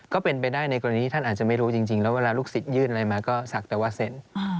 ก็เป็นไปได้ในกรณีที่ท่านอาจจะไม่รู้จริงแล้วเวลาลูกศิษยื่นอะไรมาก็ศักดิ์แต่ว่าเซ็น